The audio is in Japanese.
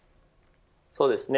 そうですね。